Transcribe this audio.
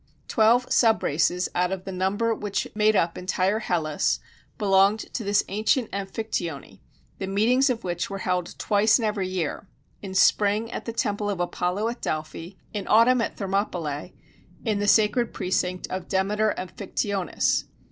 Twelve sub races, out of the number which made up entire Hellas, belonged to this ancient Amphictyony, the meetings of which were held twice in every year: in spring at the temple of Apollo at Delphi; in autumn at Thermopylæ, in the sacred precinct of Demeter Amphictyonis.